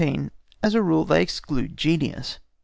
AS A RULE THEY EXCLUDE GENIUS.